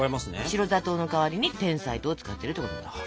白砂糖の代わりにてんさい糖を使ってるということなんです。